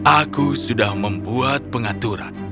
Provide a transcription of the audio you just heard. aku sudah membuat pengaturan